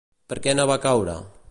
Per què no va caure?